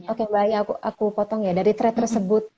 oke mbak aya aku potong ya dari thread tersebut